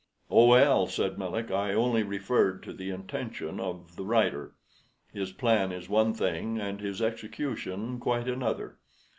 "Oh, well," said Melick, "I only referred to the intention of the writer. His plan is one thing and his execution quite another.